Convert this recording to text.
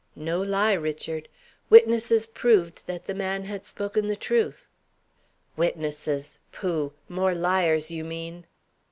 "No lie, Richard. Witnesses proved that the man had spoken the truth." "Witnesses? Pooh! More liars, you mean."